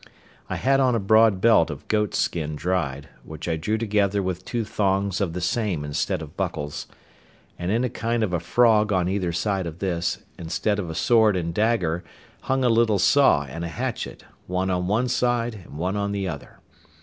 I had on a broad belt of goat's skin dried, which I drew together with two thongs of the same instead of buckles, and in a kind of a frog on either side of this, instead of a sword and dagger, hung a little saw and a hatchet, one on one side and one on the other.